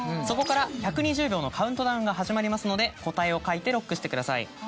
そこから１２０秒のカウントダウンが始まりますので答えを書いてロックしてください。